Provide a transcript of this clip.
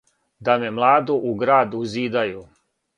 Да ме младу у град узидају!